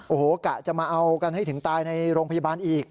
โอ้โหกะจะมาเอากันให้ถึงตายในโรงพยาบาลอีก